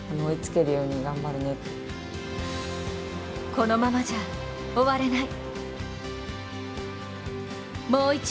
このままじゃ終われない。